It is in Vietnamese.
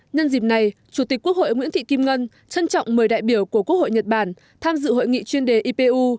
nhân dịp này chủ tịch quốc hội nguyễn thị kim ngân trân trọng mời đại biểu của quốc hội nhật bản tham dự hội nghị chuyên đề ipu